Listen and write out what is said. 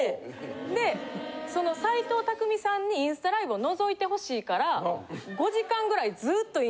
でその斎藤工さんにインスタライブを覗いてほしいから。